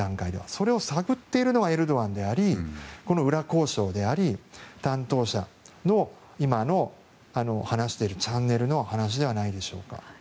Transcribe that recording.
それを探っているのがエルドアンでありこの裏交渉であり担当者の今の話しているチャンネルの話ではないでしょうか。